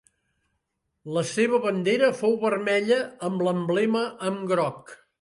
La seva bandera fou vermella amb l'emblema amb groc.